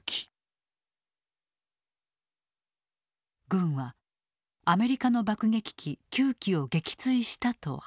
軍はアメリカの爆撃機９機を撃墜したと発表。